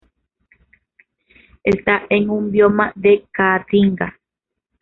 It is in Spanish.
Está en un bioma de Caatinga.